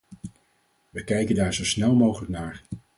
We kijken daar zo snel mogelijk naar.